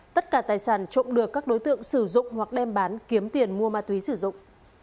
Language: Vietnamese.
tất cả tài sản trộm được các đối tượng sử dụng hoặc đem bán kiếm tiền mua ma túy sử dụng